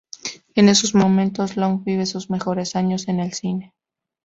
En esos momentos Long vive sus mejores años en el cine.